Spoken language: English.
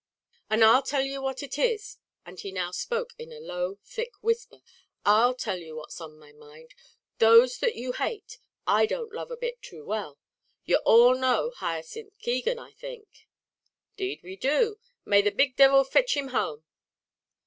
"And I'll tell you what it is," and he now spoke in a low thick whisper, "I'll tell you what's on my mind. Those that you hate, I don't love a bit too well. You all know Hyacinth Keegan, I think?" "'Deed we do may the big devil fetch him home!"